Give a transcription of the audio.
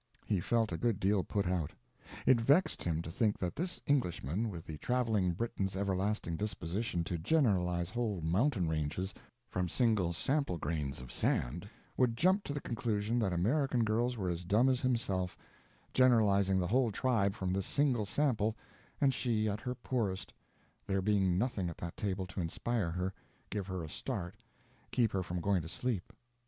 He felt a good deal put out. It vexed him to think that this Englishman, with the traveling Briton's everlasting disposition to generalize whole mountain ranges from single sample grains of sand, would jump to the conclusion that American girls were as dumb as himself—generalizing the whole tribe from this single sample and she at her poorest, there being nothing at that table to inspire her, give her a start, keep her from going to sleep.